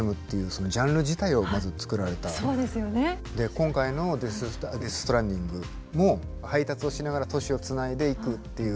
今回の「デス・ストランディング」も配達をしながら都市を繋いでいくっていう。